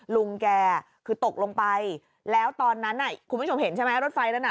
ลุงแกคือตกลงไปแล้วตอนนั้นคุณผู้ชมเห็นใช่ไหมรถไฟนั้นน่ะ